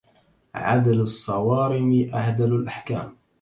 عدل الصوارم أعدل الأحكام